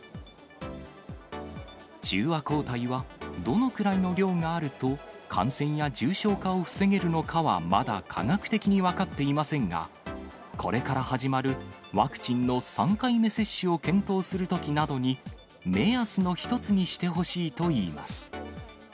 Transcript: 中和抗体はどのくらいの量があると、感染や重症化を防げるのかは、まだ科学的に分かっていませんが、これから始まるワクチンの３回目接種を検討するときなどに、目安の一つにしてほしいといいます。